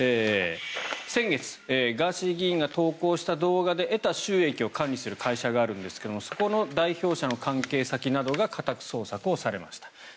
先月、ガーシー議員が投稿した動画で得た収益を管理する会社があるんですがそこの代表者の関係先などが家宅捜索をされました。